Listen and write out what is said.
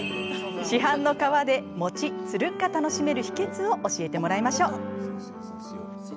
市販の皮でもちっつるっが楽しめる秘けつを教えてもらいましょう。